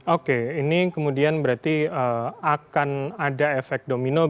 oke ini kemudian berarti akan ada efek domino